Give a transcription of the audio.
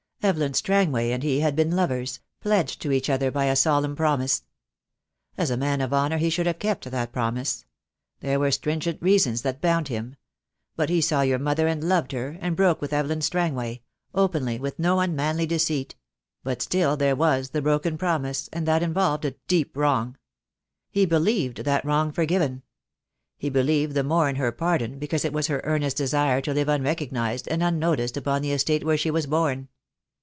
Evelyn Strangway and he had been lovers — pledged to each other by a solemn promise. As a man of honour he should have kept that promise; there were stringent reasons that bound him. But he saw your mother and loved her, and broke with Evelyn Strangway — openly, with no unmanly deceit; but still there was the broken promise, and that involved a deep wrong. He believed that wrong forgiven. He be lieved the more in her pardon because it was her earnest desire to live unrecognised and unnoticed upon the estate where she was born.